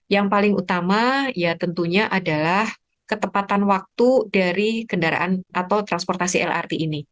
yang paling utama ya tentunya adalah ketepatan waktu dari kendaraan atau transportasi lrt ini